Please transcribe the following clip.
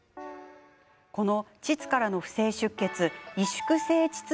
この、ちつからの不正出血萎縮性ちつ